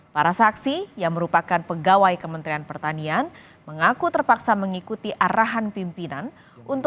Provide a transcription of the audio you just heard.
para saksi yang merupakan pegawai kementerian pertanian mengaku terpaksa mengikuti arahan pimpinan